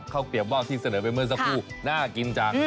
เกลียบว่าวที่เสนอไปเมื่อสักครู่น่ากินจัง